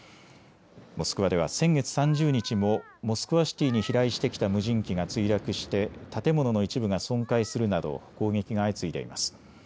モスクワでは先月３０日もモスクワシティに飛来してきた無人機が墜落して建物の一部が損壊するなど攻撃が相次いでいます。